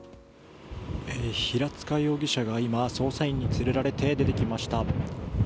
平塚容疑者が今捜査員に連れられて出てきました。